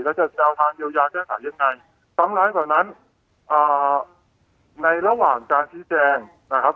แล้วจะแนวทางเยียวยาแก้ไขยังไงซ้ำร้ายกว่านั้นอ่าในระหว่างการชี้แจงนะครับ